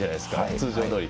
通常どおり。